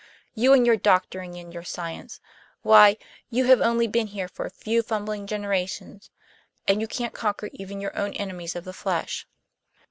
You and your doctoring and your science why, you have only been here for a few fumbling generations; and you can't conquer even your own enemies of the flesh.